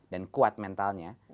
dan kuat mentalnya